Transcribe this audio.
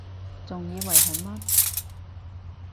仲以為係乜????